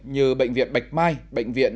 như bệnh viện bạch mai bệnh viện